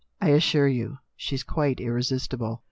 I assure you, she's quite irresistible."